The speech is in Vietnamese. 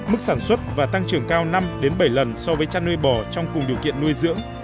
mức sản xuất và tăng trưởng cao năm bảy lần so với chăn nuôi bò trong cùng điều kiện nuôi dưỡng